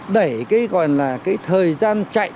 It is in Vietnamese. để cái gọi là cái thời gian chạy